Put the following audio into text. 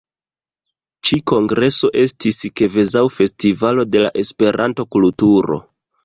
Ĉi kongreso estis kvazaŭ festivalo de la Esperanto-kulturo.